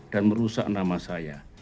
dan merusak nama saya